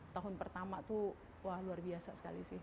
tahun pertama tuh wah luar biasa sekali sih